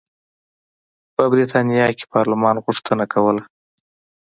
په برېټانیا کې پارلمان غوښتنه کوله.